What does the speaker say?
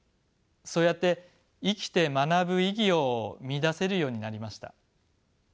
そうやって生きて学ぶ意義を見いだせるようになりました。